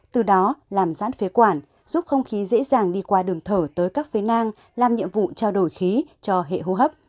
từ đó làm giãn phế quản giúp không khí dễ dàng đi qua đường thở tới các phế nang làm nhiệm vụ trao đổi khí cho hệ hô hấp